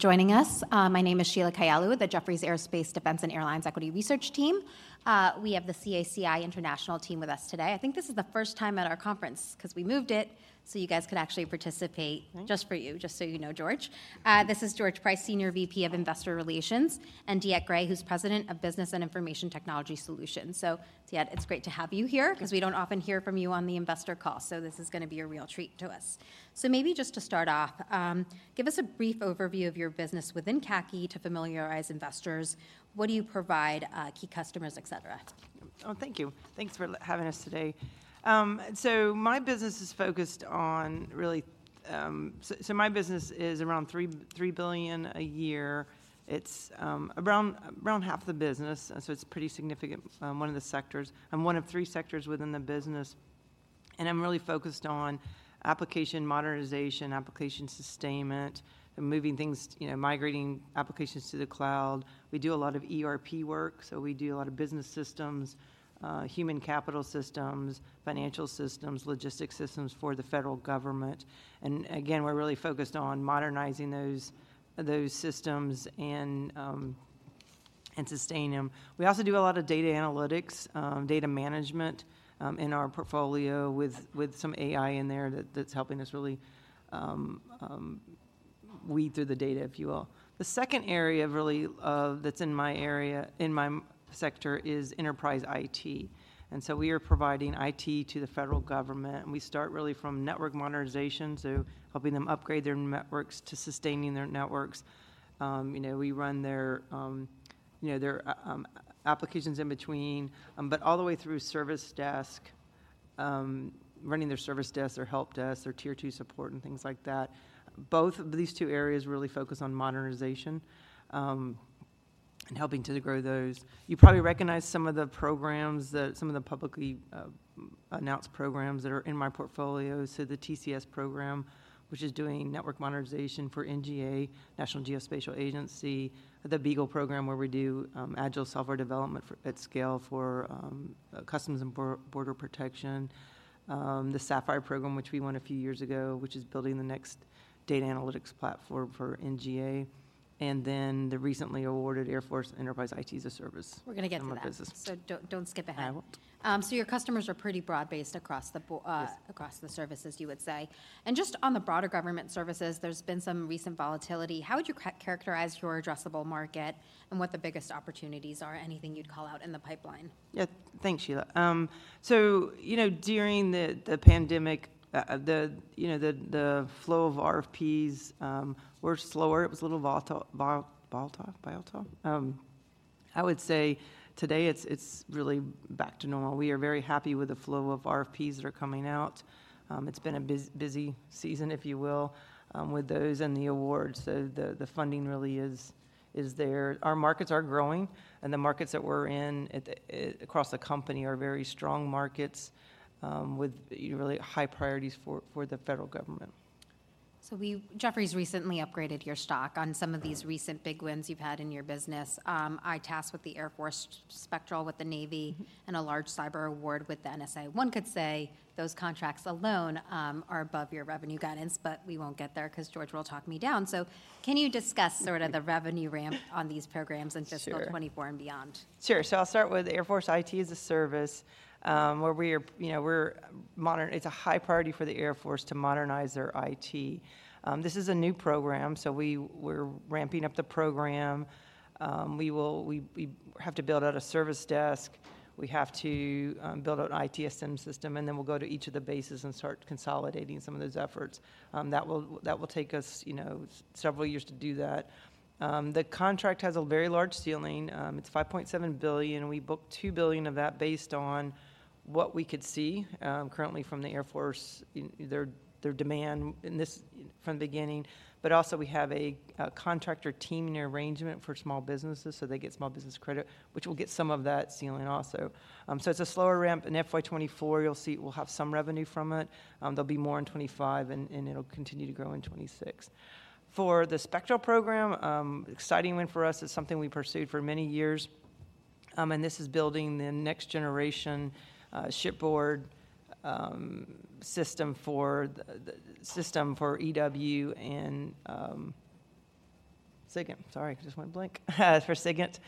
Joining us. My name is Sheila Kahyaoglu with the Jefferies Aerospace Defense and Airlines Equity Research Team. We have the CACI International team with us today. I think this is the first time at our conference, 'cause we moved it so you guys could actually participate- Right... just for you, just so you know, George. This is George Price, Senior VP of Investor Relations, and DeEtte Gray, who's President of Business and Information Technology Solutions. So DeEtte, it's great to have you here- Thanks... 'cause we don't often hear from you on the investor call, so this is gonna be a real treat to us. So maybe just to start off, give us a brief overview of your business within CACI to familiarize investors. What do you provide, key customers, et cetera? Oh, thank you. Thanks for having us today. So my business is focused on really... so my business is around $3 billion a year. It's around half the business, so it's a pretty significant one of the sectors, and one of three sectors within the business. And I'm really focused on application modernization, application sustainment, and moving things, you know, migrating applications to the cloud. We do a lot of ERP work, so we do a lot of business systems, human capital systems, financial systems, logistics systems for the federal government. And again, we're really focused on modernizing those systems and sustaining them. We also do a lot of data analytics, data management, in our portfolio with, with some AI in there that, that's helping us really, weed through the data, if you will. The second area really, that's in my area, in my sector, is enterprise IT. And so we are providing IT to the federal government, and we start really from network modernization, so helping them upgrade their networks to sustaining their networks. You know, we run their, you know, their, applications in between, but all the way through service desk, running their service desk or help desk or tier two support and things like that. Both of these two areas really focus on modernization, and helping to grow those. You probably recognize some of the programs that, some of the publicly announced programs that are in my portfolio. So the TCS program, which is doing network modernization for NGA, National Geospatial-Intelligence Agency. The BEAGLE program, where we do agile software development at scale for Customs and Border Protection. The Sapphire program, which we won a few years ago, which is building the next data analytics platform for NGA. And then the recently awarded Air Force Enterprise IT as a Service. We're gonna get to that.... some more business. Don't, don't skip ahead. I won't. So your customers are pretty broad-based across the bo- Yes... across the services, you would say. And just on the broader government services, there's been some recent volatility. How would you characterize your addressable market and what the biggest opportunities are? Anything you'd call out in the pipeline? Yeah. Thanks, Sheila. So, you know, during the pandemic, the flow of RFPs were slower. It was a little volatile. I would say today, it's really back to normal. We are very happy with the flow of RFPs that are coming out. It's been a busy season, if you will, with those and the awards. So the funding really is there. Our markets are growing, and the markets that we're in across the company are very strong markets with really high priorities for the federal government. So, we, Jefferies recently upgraded your stock on some of... Mm... these recent big wins you've had in your business. EITaaS with the Air Force, Spectral with the Navy- Mm-hmm... and a large cyber award with the NSA. One could say those contracts alone are above your revenue guidance, but we won't get there 'cause George will talk me down. So can you discuss sort of-... uh the revenue ramp on these programs in fiscal- Sure... 2024 and beyond? Sure. So I'll start with Air Force IT as a service, where we are, you know, it's a high priority for the Air Force to modernize their IT. This is a new program, so we're ramping up the program. We have to build out a service desk, we have to build out an ITSM system, and then we'll go to each of the bases and start consolidating some of those efforts. That will take us, you know, several years to do that. The contract has a very large ceiling. It's $5.7 billion, and we booked $2 billion of that based on what we could see, currently from the Air Force, their demand in this from the beginning. But also we have a contractor teaming arrangement for small businesses, so they get small business credit, which will get some of that ceiling also. So it's a slower ramp. In FY 2024, you'll see we'll have some revenue from it. There'll be more in 2025, and it'll continue to grow in 2026. For the Spectral program, exciting win for us. It's something we pursued for many years. And this is building the next generation shipboard system for the system for EW and SIGINT. Sorry, I just went blank, for SIGINT.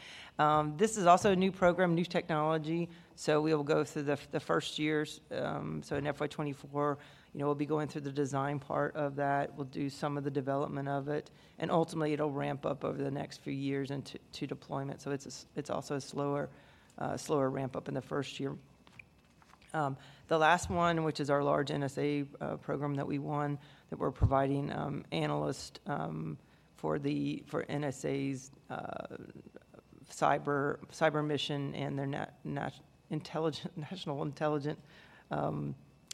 This is also a new program, new technology, so we will go through the first years. So in FY 2024, you know, we'll be going through the design part of that. We'll do some of the development of it, and ultimately, it'll ramp up over the next few years into deployment. So it's also a slower ramp-up in the first year. The last one, which is our large NSA program that we won, that we're providing analysts for NSA's cyber mission and their national intelligence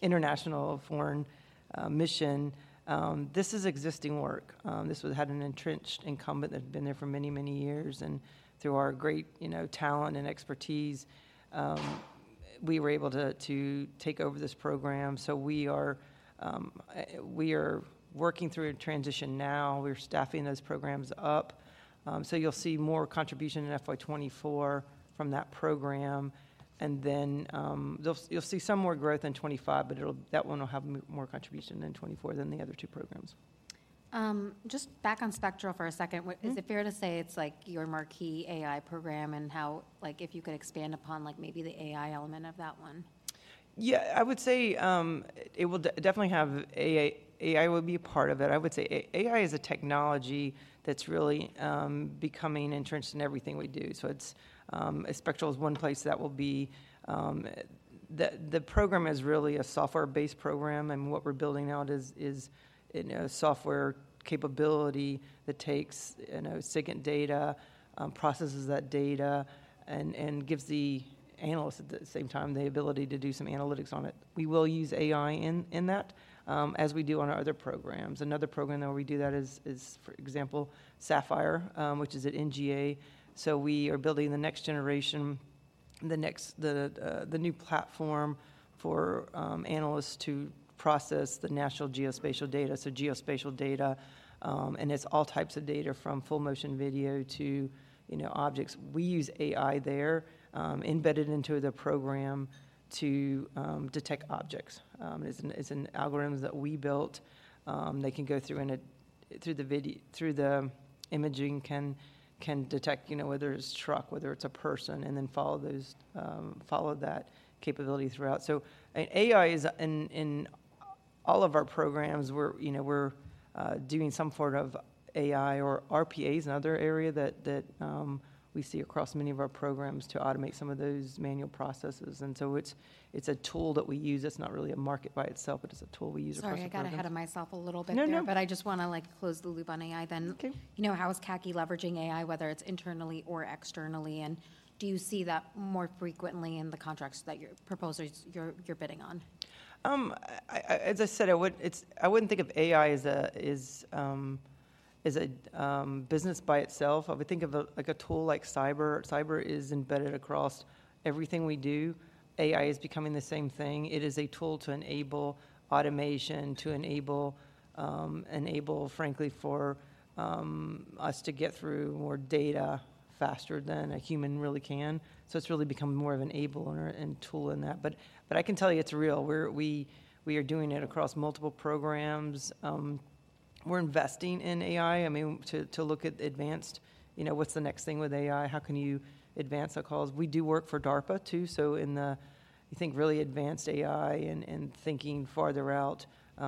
international foreign mission. This is existing work. This had an entrenched incumbent that had been there for many, many years, and through our great, you know, talent and expertise, we were able to take over this program. So we are working through a transition now. We're staffing those programs up. So you'll see more contribution in FY 2024 from that program, and then you'll see some more growth in 2025, but it'll – that one will have more contribution in 2024 than the other two programs. Just back on Spectral for a second. Mm-hmm. Is it fair to say it's, like, your marquee AI program, and how—like, if you could expand upon, like, maybe the AI element of that one? Yeah, I would say, it will definitely have AI will be a part of it. I would say AI is a technology that's really becoming entrenched in everything we do. So it's, Spectral is one place that will be... The program is really a software-based program, and what we're building out is, you know, software capability that takes, you know, SIGINT data, processes that data, and gives the analysts, at the same time, the ability to do some analytics on it. We will use AI in that, as we do on our other programs. Another program that we do that is, for example, Sapphire, which is at NGA. So we are building the next generation, the new platform for analysts to process the national geospatial data, so geospatial data, and it's all types of data from full-motion video to, you know, objects. We use AI there, embedded into the program to detect objects. It's an algorithms that we built. They can go through and through the imaging can detect, you know, whether it's a truck, whether it's a person, and then follow those, follow that capability throughout. So AI is in all of our programs, we're, you know, we're doing some form of AI or RPA is another area that we see across many of our programs to automate some of those manual processes, and so it's a tool that we use. It's not really a market by itself, but it's a tool we use across our programs. Sorry, I got ahead of myself a little bit there. No, no. I just wanna, like, close the loop on AI then. Okay. You know, how is CACI leveraging AI, whether it's internally or externally? And do you see that more frequently in the contracts that you're bidding on? As I said, I wouldn't think of AI as a business by itself. I would think of it like a tool like cyber. Cyber is embedded across everything we do. AI is becoming the same thing. It is a tool to enable automation, to enable, frankly, for us to get through more data faster than a human really can. So it's really become more of an enabler and tool in that. But I can tell you it's real. We're doing it across multiple programs. We're investing in AI, I mean, to look at advanced... you know, what's the next thing with AI? How can you advance our cause? We do work for DARPA, too, so in the, I think, really advanced AI and thinking farther out,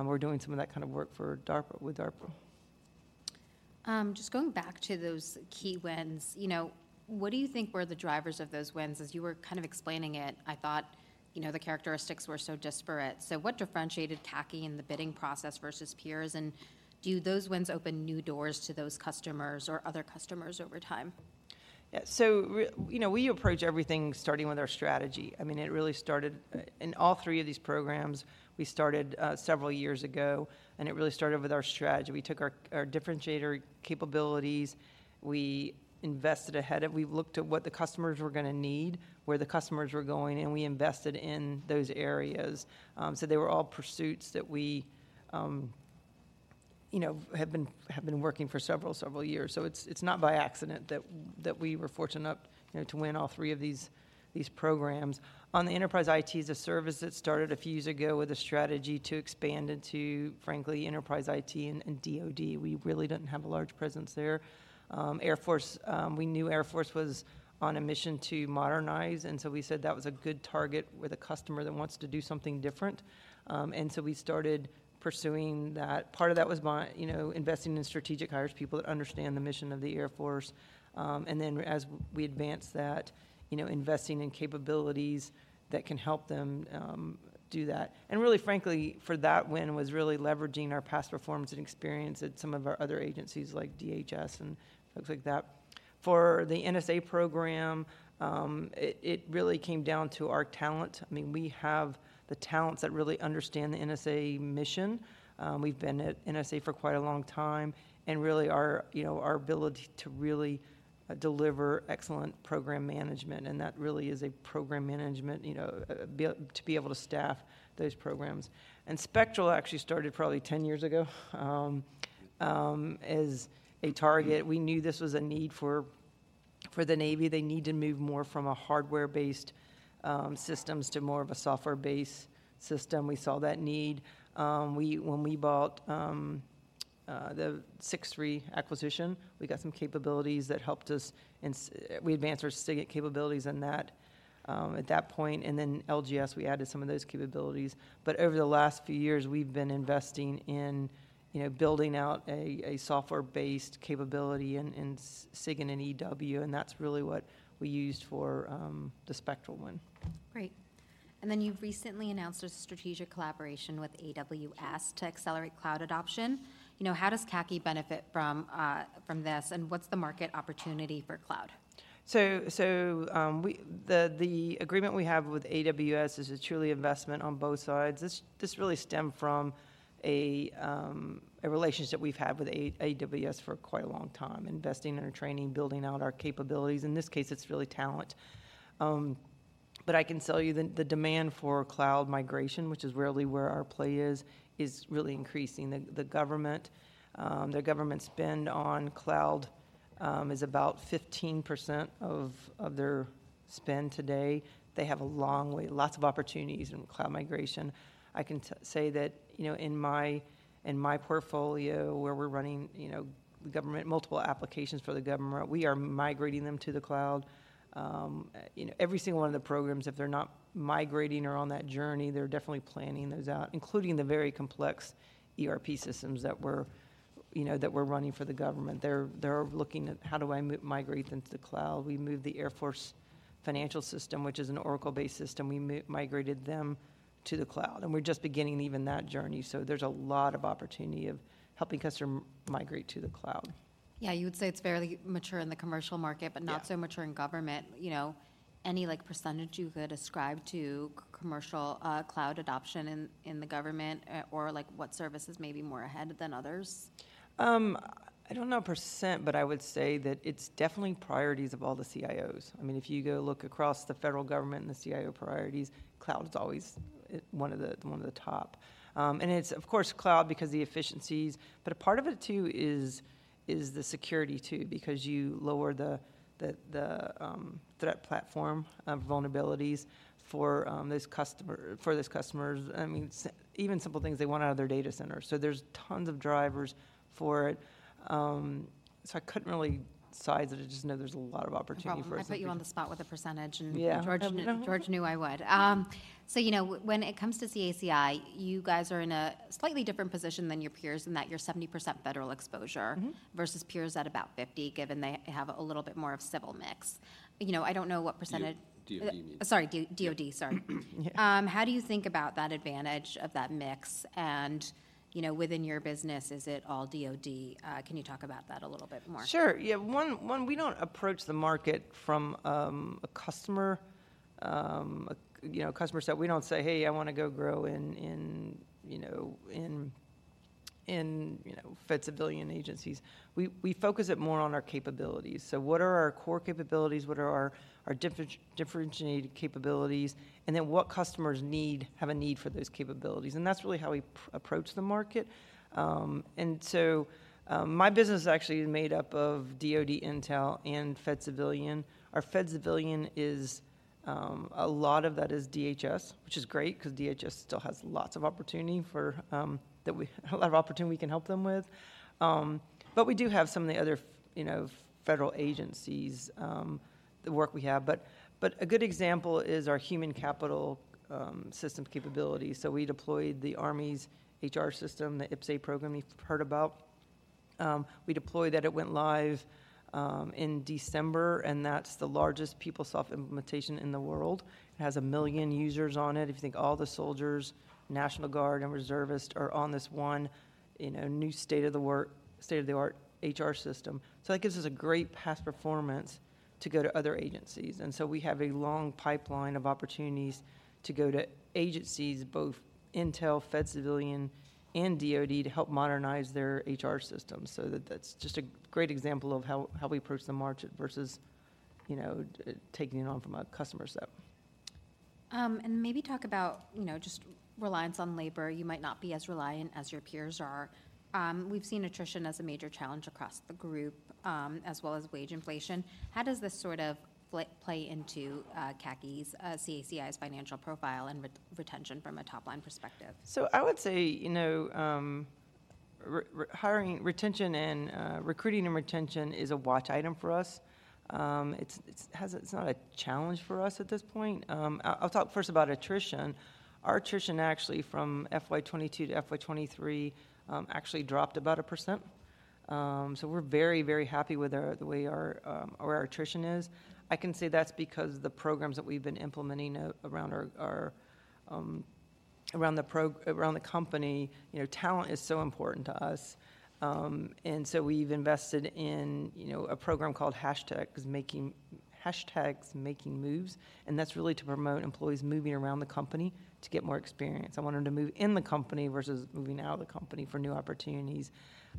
we're doing some of that kind of work for DARPA, with DARPA. Just going back to those key wins, you know, what do you think were the drivers of those wins? As you were kind of explaining it, I thought, you know, the characteristics were so disparate. So what differentiated CACI in the bidding process versus peers, and do those wins open new doors to those customers or other customers over time? Yeah, so you know, we approach everything starting with our strategy. I mean, it really started. In all three of these programs, we started several years ago, and it really started with our strategy. We took our differentiator capabilities, we invested ahead, and we looked at what the customers were gonna need, where the customers were going, and we invested in those areas. So they were all pursuits that we, you know, have been working for several years. So it's not by accident that we were fortunate enough, you know, to win all three of these programs. On the Enterprise IT as a Service, it started a few years ago with a strategy to expand into, frankly, Enterprise IT and DoD. We really didn't have a large presence there. Air Force, we knew Air Force was on a mission to modernize, and so we said that was a good target with a customer that wants to do something different. And so we started pursuing that. Part of that was by, you know, investing in strategic hires, people that understand the mission of the Air Force. And then as we advanced that, you know, investing in capabilities that can help them do that. And really, frankly, for that win was really leveraging our past performance and experience at some of our other agencies, like DHS and folks like that. For the NSA program, it really came down to our talent. I mean, we have the talents that really understand the NSA mission. We've been at NSA for quite a long time, and really our, you know, our ability to really deliver excellent program management, and that really is a program management, you know, be able to staff those programs. And Spectral actually started probably 10 years ago as a target. We knew this was a need for the Navy. They need to move more from a hardware-based systems to more of a software-based system. We saw that need. When we bought the Six3 acquisition, we got some capabilities that helped us in SIGINT. We advanced our SIGINT capabilities in that at that point, and then LGS, we added some of those capabilities. But over the last few years, we've been investing in, you know, building out a software-based capability in SIGINT and EW, and that's really what we used for the Spectral one. Great. And then you've recently announced a strategic collaboration with AWS to accelerate cloud adoption. You know, how does CACI benefit from, from this, and what's the market opportunity for cloud? So, the agreement we have with AWS is a truly investment on both sides. This really stemmed from a relationship we've had with AWS for quite a long time, investing in our training, building out our capabilities. In this case, it's really talent. But I can tell you that the demand for cloud migration, which is really where our play is, is really increasing. The government spend on cloud is about 15% of their spend today. They have a long way, lots of opportunities in cloud migration. I can say that, you know, in my portfolio, where we're running, you know, government multiple applications for the government, we are migrating them to the cloud. You know, every single one of the programs, if they're not migrating or on that journey, they're definitely planning those out, including the very complex ERP systems that we're, you know, that we're running for the government. They're looking at: How do I migrate them to the cloud? We moved the Air Force financial system, which is an Oracle-based system, we migrated them to the cloud, and we're just beginning even that journey. So there's a lot of opportunity of helping customer migrate to the cloud. Yeah, you would say it's fairly mature in the commercial market- Yeah... but not so mature in government. You know, any, like, percentage you could ascribe to commercial cloud adoption in the government, or, like, what services may be more ahead than others? I don't know percent, but I would say that it's definitely priorities of all the CIOs. I mean, if you go look across the federal government and the CIO priorities, cloud is always one of the, one of the top. And it's, of course, cloud because the efficiencies, but a part of it, too, is the security, too, because you lower the threat platform of vulnerabilities for those customer-- for those customers. I mean, even simple things, they want out of their data center. So there's tons of drivers for it. So I couldn't really size it. I just know there's a lot of opportunity for us- No problem. I put you on the spot with a percentage, and- Yeah... George knew I would. Yeah. So, you know, when it comes to CACI, you guys are in a slightly different position than your peers in that you're 70% federal exposure- Mm-hmm... versus peers at about 50, given they have a little bit more of civil mix. You know, I don't know what percentage- DoD and civil. Sorry, DoD, sorry. Yeah. How do you think about that advantage of that mix? And, you know, within your business, is it all DoD? Can you talk about that a little bit more? Sure. Yeah, we don't approach the market from a customer, you know, customer side. We don't say: Hey, I wanna go grow in, you know, fed civilian agencies. We focus it more on our capabilities. So what are our core capabilities? What are our differentiated capabilities? And then, what customers need, have a need for those capabilities? And that's really how we approach the market. And so, my business is actually made up of DoD intel and fed civilian. Our fed civilian is a lot of that is DHS, which is great 'cause DHS still has lots of opportunity for a lot of opportunity we can help them with. But we do have some of the other, you know, federal agencies, the work we have. But a good example is our human capital systems capabilities. So we deployed the Army's HR system, the IPPS-A program you've heard about. We deployed that. It went live in December, and that's the largest PeopleSoft implementation in the world. It has 1 million users on it. If you think all the soldiers, National Guard, and reservists are on this one, you know, new state-of-the-art HR system. So that gives us a great past performance to go to other agencies, and so we have a long pipeline of opportunities to go to agencies, both intel, fed civilian, and DoD, to help modernize their HR systems. So that, that's just a great example of how we approach the market versus, you know, taking it on from a customer side. And maybe talk about, you know, just reliance on labor. You might not be as reliant as your peers are. We've seen attrition as a major challenge across the group, as well as wage inflation. How does this sort of play into CACI's financial profile and retention from a top-line perspective? So I would say, you know, rehiring, retention and recruiting and retention is a watch item for us. It's not a challenge for us at this point. I'll talk first about attrition. Our attrition actually from FY 2022 to FY 2023 actually dropped about 1%. So we're very, very happy with the way our attrition is. I can say that's because the programs that we've been implementing around the company, you know, talent is so important to us. And so we've invested in, you know, a program called Hashtag, 'cause making... #MakingMoves, and that's really to promote employees moving around the company to get more experience. I want them to move in the company versus moving out of the company for new opportunities.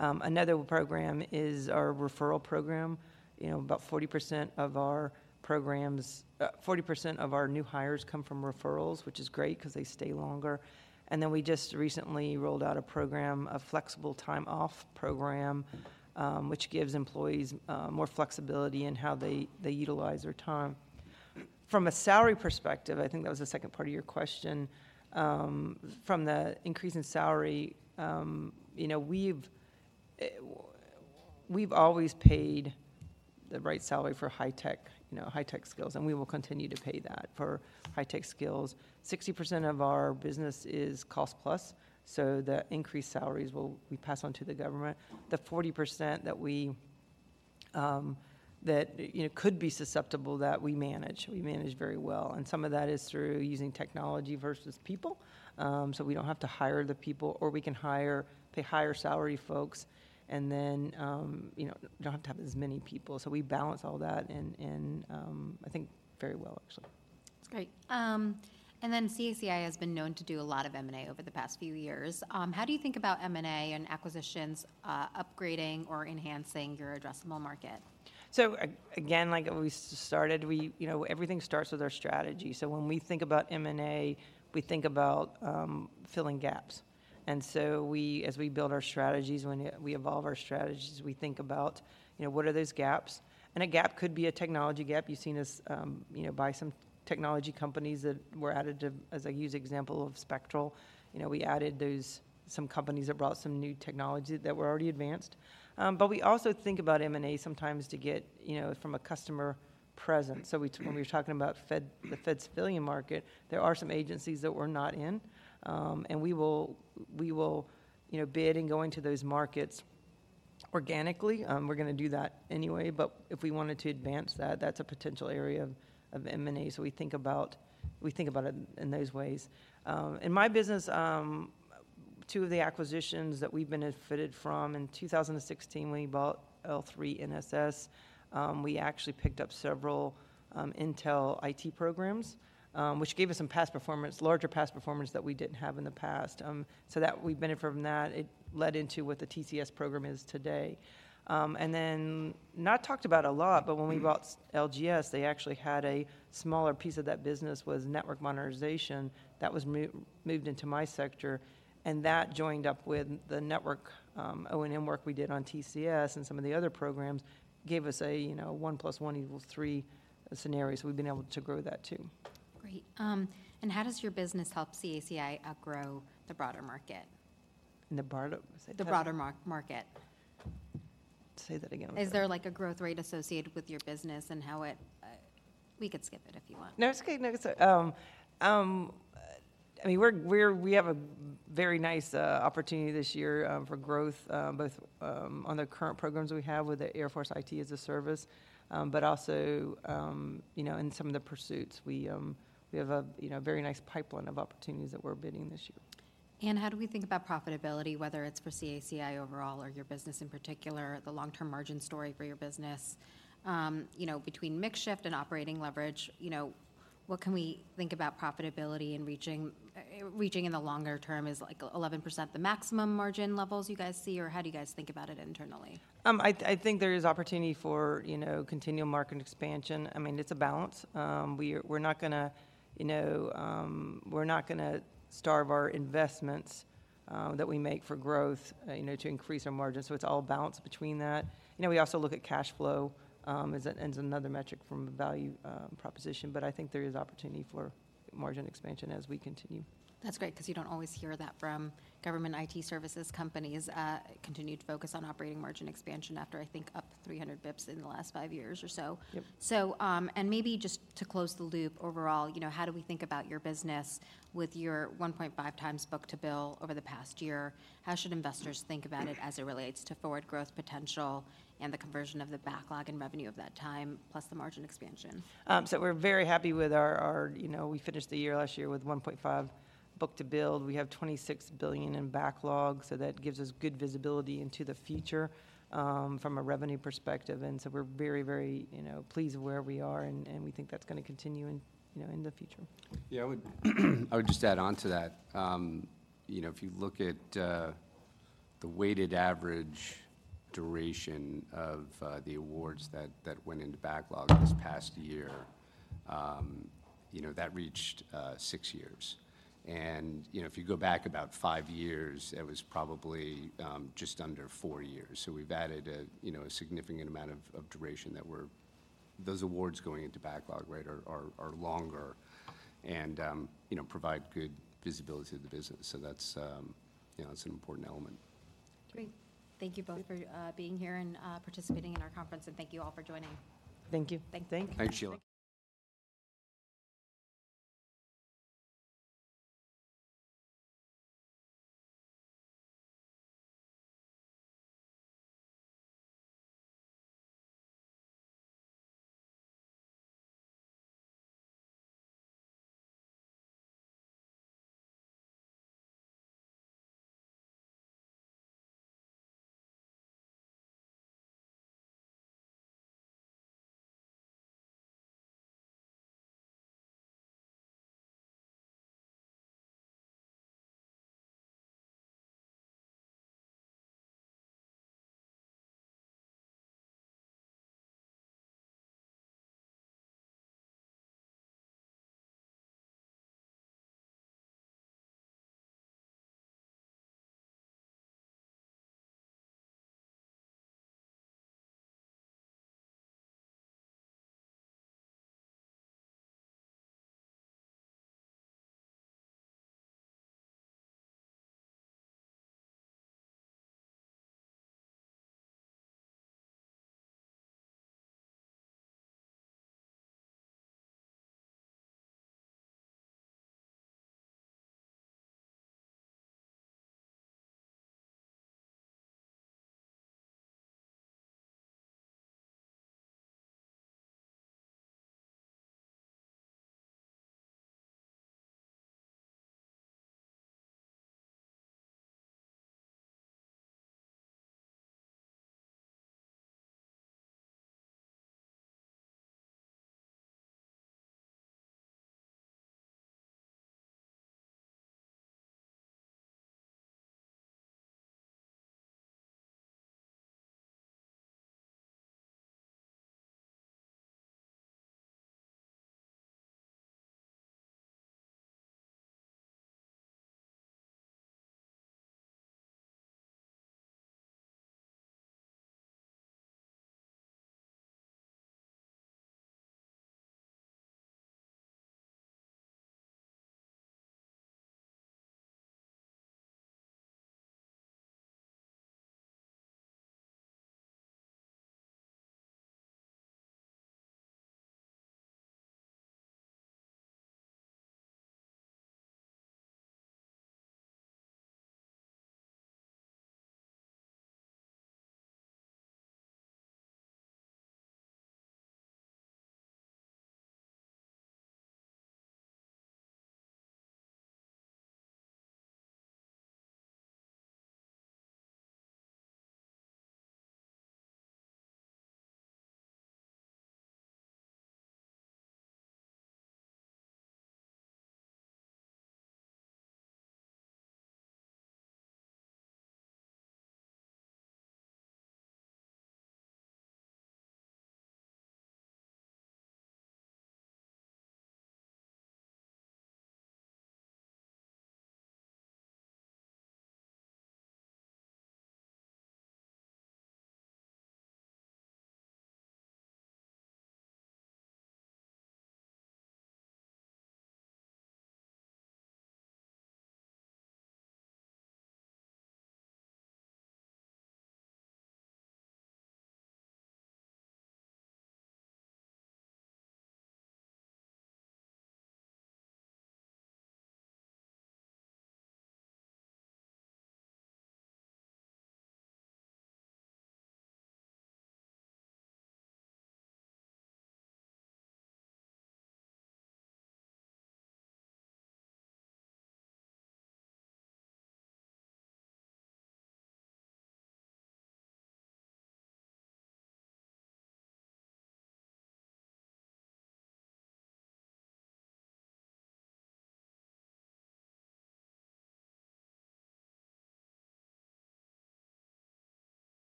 Another program is our referral program. You know, about 40% of our programs, 40% of our new hires come from referrals, which is great 'cause they stay longer. And then we just recently rolled out a program, a flexible time off program, which gives employees more flexibility in how they, they utilize their time. From a salary perspective, I think that was the second part of your question, from the increase in salary, you know, we've, we've always paid the right salary for high-tech, you know, high-tech skills, and we will continue to pay that for high-tech skills. 60% of our business is cost-plus, so the increased salaries will, we pass on to the government. The 40% that we, you know, could be susceptible, that we manage, we manage very well, and some of that is through using technology versus people. So we don't have to hire the people, or we can hire the higher salary folks, and then, you know, don't have to have as many people. So we balance all that in, I think, very well, actually. That's great. And then CACI has been known to do a lot of M&A over the past few years. How do you think about M&A and acquisitions, upgrading or enhancing your addressable market?... So again, like we started, we, you know, everything starts with our strategy. So when we think about M&A, we think about filling gaps. And so we, as we build our strategies, when we evolve our strategies, we think about, you know, what are those gaps? And a gap could be a technology gap. You've seen us, you know, buy some technology companies that were added to, as I use example of Spectral. You know, we added those, some companies that brought some new technology that were already advanced. But we also think about M&A sometimes to get, you know, from a customer presence. So we, when we were talking about fed- the fed civilian market, there are some agencies that we're not in, and we will, we will, you know, bid and go into those markets organically. We're gonna do that anyway, but if we wanted to advance that, that's a potential area of M&A. So we think about, we think about it in those ways. In my business, two of the acquisitions that we've benefited from, in 2016, we bought L-3 NSS. We actually picked up several intel IT programs, which gave us some past performance, larger past performance that we didn't have in the past. So that we've benefited from that. It led into what the TCS program is today. And then, not talked about a lot, but when we bought LGS, they actually had a smaller piece of that business was network modernization. That was moved into my sector, and that joined up with the network O&M work we did on TCS and some of the other programs, gave us a, you know, one plus one equals three scenario. So we've been able to grow that, too. Great. And how does your business help CACI outgrow the broader market? The broader, say that- The broader market. Say that again. Is there, like, a growth rate associated with your business and how it... we could skip it if you want. No, it's okay. No, so, I mean, we have a very nice opportunity this year for growth both on the current programs we have with the Air Force IT as a Service, but also, you know, in some of the pursuits. We have a, you know, very nice pipeline of opportunities that we're bidding this year. How do we think about profitability, whether it's for CACI overall or your business in particular, the long-term margin story for your business? You know, between mix shift and operating leverage, you know, what can we think about profitability and reaching, reaching in the longer term? Is, like, 11% the maximum margin levels you guys see, or how do you guys think about it internally? I think there is opportunity for, you know, continual market expansion. I mean, it's a balance. We're not gonna, you know, we're not gonna starve our investments, that we make for growth, you know, to increase our margins. So it's all balanced between that. You know, we also look at cash flow, as a, as another metric from a value, proposition, but I think there is opportunity for margin expansion as we continue. That's great, 'cause you don't always hear that from government IT services companies, continued focus on operating margin expansion after, I think, up 300 basis points in the last 5 years or so. Yep. Maybe just to close the loop overall, you know, how do we think about your business with your 1.5 times book-to-bill over the past year? How should investors think about it as it relates to forward growth potential and the conversion of the backlog and revenue of that time, plus the margin expansion? So we're very happy with our. You know, we finished the year last year with 1.5 book to bill. We have $26 billion in backlog, so that gives us good visibility into the future, from a revenue perspective. And so we're very, very, you know, pleased with where we are, and we think that's gonna continue in, you know, in the future. Yeah, I would, I would just add on to that. You know, if you look at, the weighted average duration of, the awards that, that went into backlog this past year, you know, that reached, six years. And, you know, if you go back about five years, it was probably, just under four years. So we've added a, you know, a significant amount of duration that those awards going into backlog, right, are longer and, you know, provide good visibility to the business. So that's, you know, it's an important element. Great. Thank you both for being here and participating in our conference, and thank you all for joining. Thank you. Thank you.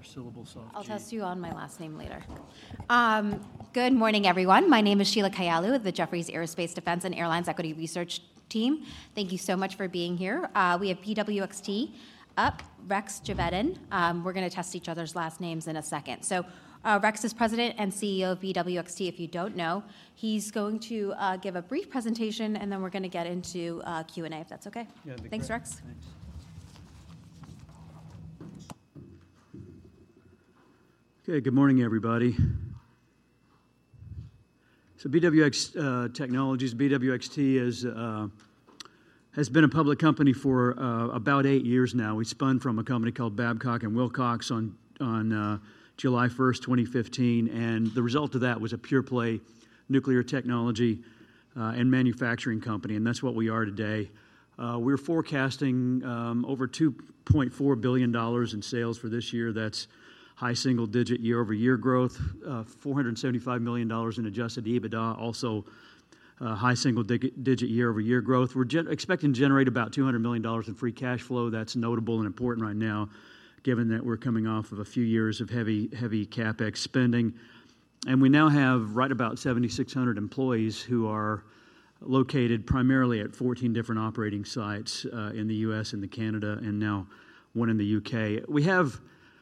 Thanks, Sheila.... Geveden. Geveden, okay. First syllable soft G. I'll test you on my last name later. Good morning, everyone. My name is Sheila Kahyaoglu of the Jefferies Aerospace Defense and Airlines Equity Research Team. Thank you so much for being here. We have BWXT up, Rex Geveden. We're gonna test each other's last names in a second. So, Rex is President and CEO of BWXT. If you don't know, he's going to give a brief presentation, and then we're gonna get into Q&A, if that's okay. Yeah, that'd be great. Thanks, Rex. Thanks. Okay, good morning, everybody. So BWX Technologies, BWXT, is, has been a public company for about eight years now. We spun from a company called Babcock & Wilcox on July 1st, 2015, and the result of that was a pure play nuclear technology and manufacturing company, and that's what we are today. We're forecasting over $2.4 billion in sales for this year. That's high single-digit year-over-year growth. Four hundred and seventy-five million dollars in adjusted EBITDA, also high single-digit year-over-year growth. We're expecting to generate about $200 million in free cash flow. That's notable and important right now, given that we're coming off of a few years of heavy, heavy CapEx spending. We now have right about 7,600 employees who are located primarily at 14 different operating sites in the U.S. and Canada, and now one in the U.K. We have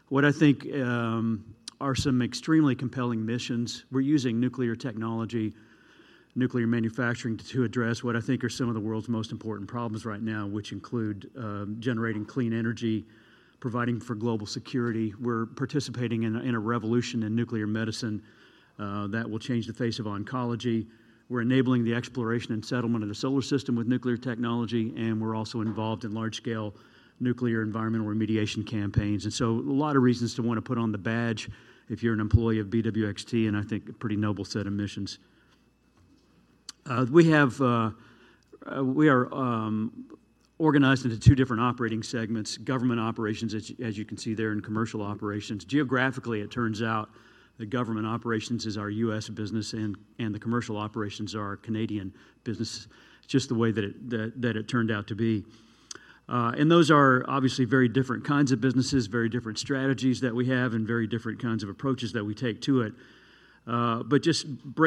what I think are some extremely compelling missions. We're using nuclear technology, nuclear manufacturing, to address what I think are some of the world's most important problems right now, which include generating clean energy, providing for global security. We're participating in a revolution in nuclear medicine that will change the face of oncology. We're enabling the exploration and settlement of the solar system with nuclear technology, and we're also involved in large-scale nuclear environmental remediation campaigns. And so a lot of reasons to wanna put on the badge if you're an employee of BWXT, and I think a pretty noble set of missions. We are organized into two different operating segments: government operations, as you can see there, and commercial operations. Geographically, it turns out that government operations is our U.S. business, and the commercial operations are our Canadian business. Just the way that it turned out to be. And those are obviously very different kinds of businesses, very different strategies that we have, and very different kinds of approaches that we take to it. But just by-